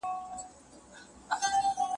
اتڼ ته زنځیر پروت دی او په څڼو پابندي ده